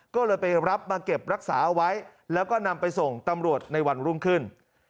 ก็เลยไปรับมาเก็บรักษาเอาไว้แล้วก็นำไปส่งตำรวจในวันรุ่งขึ้น